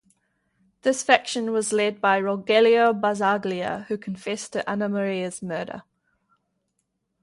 This faction was led by Rogelio Bazzaglia, who confessed to Ana Maria's murder.